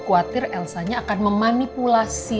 khawatir elsa nya akan memanipulasi